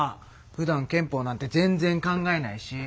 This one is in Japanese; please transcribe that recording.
ふだん憲法なんて全然考えないし。